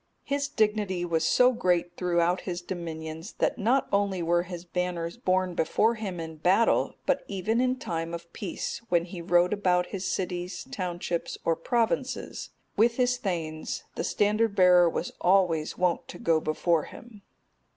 His dignity was so great throughout his dominions, that not only were his banners borne before him in battle, but even in time of peace, when he rode about his cities, townships, or provinces, with his thegns, the standard bearer was always wont to go before him.